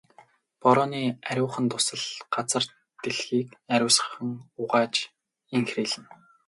Борооны ариухан дусал газар дэлхийг ариусган угааж энхрийлнэ.